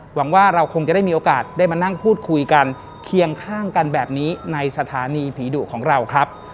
หวังว่าเราคงจะได้มีโอกาสได้มานั่งพูดคุยกันเคียงข้างกันแบบนี้ในสถานีผีดุของเราครับ